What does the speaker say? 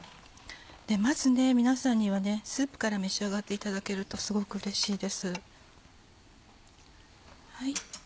まず皆さんにはスープから召し上がっていただけるとすごくうれしいです。